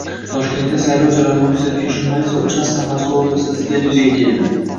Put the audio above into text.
Toshkentda saylov jarayonini kuzatgan jurnalist va uchastka mas’uli o‘rtasida ziddiyat yuzaga keldi